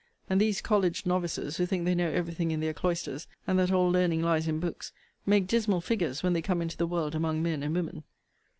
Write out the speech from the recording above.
And these college novices, who think they know every thing in their cloisters, and that all learning lies in books, make dismal figures when they come into the world among men and women.